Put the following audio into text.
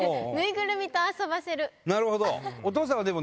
なるほど！